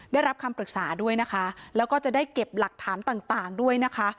ได้รับคำปรึกษาด้วยนะคะแล้วก็จะได้เก็บหลักฐานต่างด้วยนะคะ